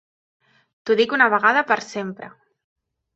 T'ho dic una vegada per sempre.